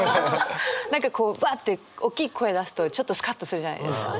何かこうぶわっておっきい声出すとちょっとスカッとするじゃないですか。